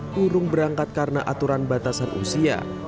kurung berangkat karena aturan batasan usia